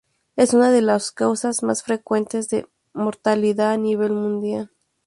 Es una de las causas más frecuentes de mortalidad a nivel mundial.